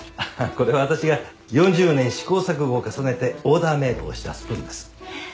これは私が４０年試行錯誤を重ねてオーダーメイドをしたスプーンです。